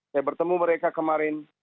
saya bertemu mereka kemarin